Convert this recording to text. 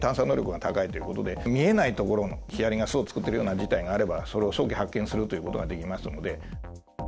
見えない所にヒアリが巣を作っているような事態があれば、それを早期発見するということができますので。